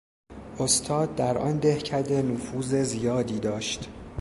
استاد در آن دهکده نفوذ زیادی داشت.